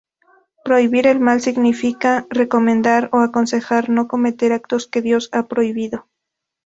Prohibir el mal significa, recomendar o aconsejar no cometer actos que Dios ha prohibido.